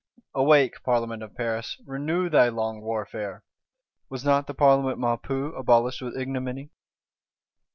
Awake, Parlement of Paris, renew thy long warfare! Was not the Parlement Maupeou abolished with ignominy?